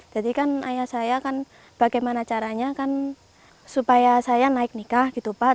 jadi kan ayah saya kan bagaimana caranya kan supaya saya naik nikah gitu pak